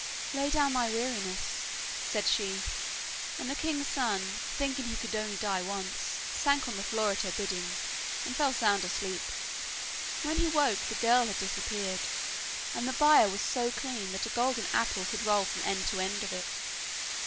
'Lay down thy weariness,' said she, and the king's son, thinking he could only die once, sank on the floor at her bidding, and fell sound asleep. When he woke the girl had disappeared, and the byre was so clean that a golden apple could roll from end to end of it.